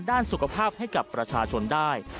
ด้านสุขภาพให้กับประชาชนได้